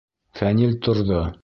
Фәнил торҙо.